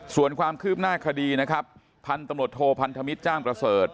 ส่วนความคืบหน้าคดีนะครับพันธุ์ตำรวจโทพันธมิตรจ้างประเสริฐ